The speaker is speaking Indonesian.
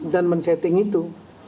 dan men setting itu